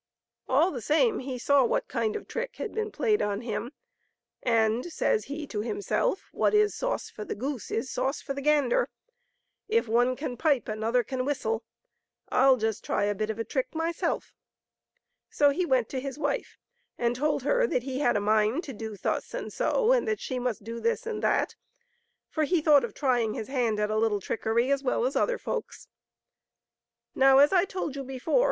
All the same, he saw what kind of trick had been played on him, and, says he to himself, " What is sauce for the goose is sauce for the gander. If one can pipe another can whistle ; 1*11 just try a bit of a trick myself.'* So he went to his wife and told her that he had a mind to do thus and so, and that she must do this and that ; for he thought of trying his hand at a little trickery as well as other folks. Now, as I told you before.